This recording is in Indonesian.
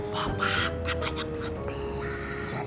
bapak katanya pengantin lah